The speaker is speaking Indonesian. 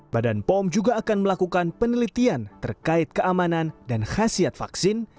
badan pom juga akan melakukan penelitian terkait keamanan dan khasiat vaksin